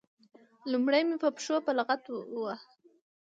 لومړی مې په پښو په لغته وواهه.